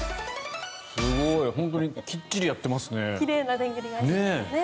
すごい本当にきっちりやっていますね。